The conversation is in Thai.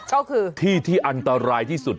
ก็คือที่ที่อันตรายที่สุด